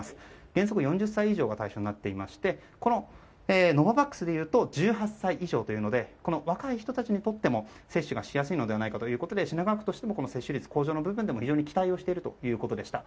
原則４０歳以上が対象になっていましてノババックスでいうと１８歳以上ということで若い人たちにとっても接種がしやすいのではないかということで品川区としても接種率向上の部分で非常に期待をしているということでした。